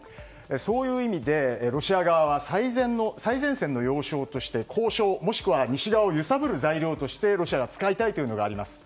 そういう意味でロシア側は最前線の要衝として交渉、もしくは西側を揺さぶる材料としてロシアが使いたいというのがあります。